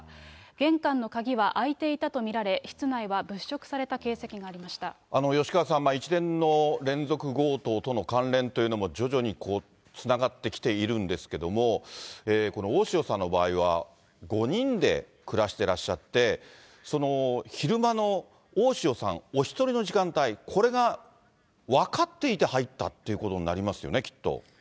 玄関の鍵は開いていたと見られ、室内は物色された形跡がありまし吉川さん、一連の連続強盗との関連というのも徐々につながってきているんですけれども、この大塩さんの場合は、５人で暮らしてらっしゃって、その昼間の大塩さんお１人の時間帯、これが分かっていて入ったということになりますよね、きっと。